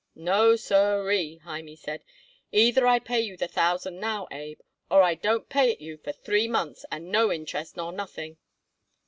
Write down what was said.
"No, siree," Hymie said; "either I pay you the thousand now, Abe, or I don't pay it you for three months, and no interest nor nothing."